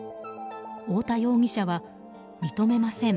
大田容疑者は認めません。